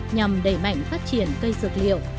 nhằm đẩy mạnh phát triển cây dược liệu